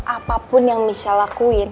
apapun yang michelle lakuin